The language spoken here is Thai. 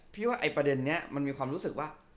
ว่าไอ้ประเด็นนี้มันมีความรู้สึกว่า